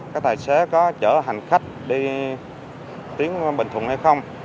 các tài xế có chở hành khách đi tuyến bình thuận hay không